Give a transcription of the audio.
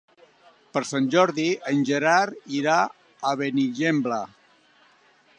Per Sant Jordi en Gerard irà a Benigembla.